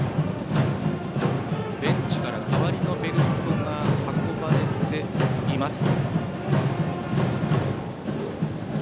ベンチから代わりのベルトが運ばれています。